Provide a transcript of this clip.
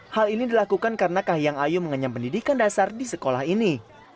hal ini dilakukan karena kahiyang ayu mengenyam pendidikan dasar di sekolah ini